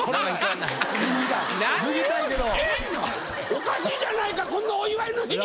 おかしいじゃないかこんなお祝いの日に！